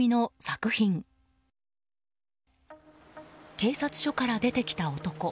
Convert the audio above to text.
警察署から出てきた男。